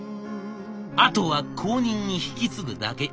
あとは後任に引き継ぐだけ。